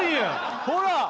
ほら！